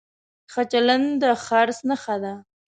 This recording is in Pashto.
ښه چلند د خرڅ نښه ده.